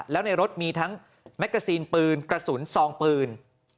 แล้วในรถมีทั้งแมกกาซีนปืนกระสุนซองปืน